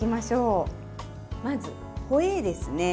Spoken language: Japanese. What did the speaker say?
まずホエーですね。